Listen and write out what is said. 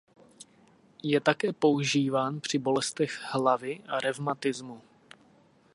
Je také používán při bolestech hlavy a revmatismu.